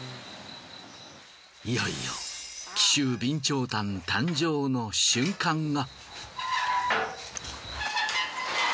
いよいよ紀州備長炭誕生の瞬間が。